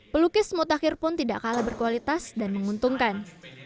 pelukis mutakhir pun tidak kalah berkualitas dan menguntungkan